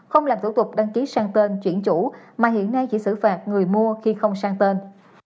không làm thủ tục đăng ký sang tên chuyển chủ mà hiện nay chỉ xử phạt người mua khi không sang tên